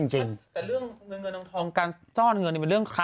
หรอ